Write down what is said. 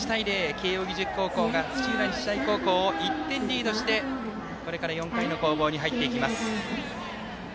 慶応義塾高校が土浦日大高校を１点リードしてこれから４回の攻防に入っていきます。